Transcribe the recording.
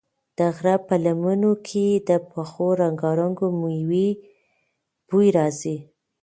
د غره په لمنو کې د پخو رنګارنګو مېوو بوی راځي.